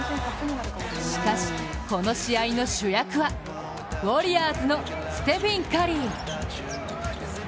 しかし、この試合の主役はウォリアーズのステフィン・カリー。